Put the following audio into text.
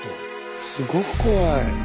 すごく怖い。